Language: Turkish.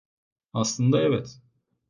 Aslında evet.